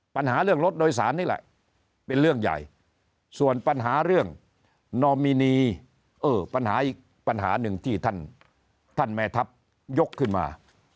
ปัญหาเรื่องรถโดยสารนี่แหละเป็นเรื่องใหญ่ส่วนปัญหาเรื่องนอมินีเออปัญหาอีกปัญหาหนึ่งที่ท่านแม่ทัพยกขึ้นมา